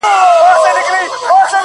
خو ستا به زه اوس هيڅ په ياد كي نه يم ـ